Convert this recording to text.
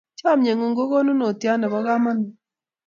Chamyengung ko kanunotyot ne bo kamanut